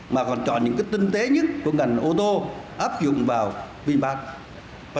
mà còn chọn những tinh tế nhất của ngành ô tô áp dụng vào vinfast